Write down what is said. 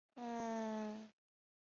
小水鼠属等之数种哺乳动物。